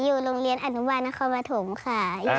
อยู่โรงเรียนอนุบาลนครปฐมค่ะ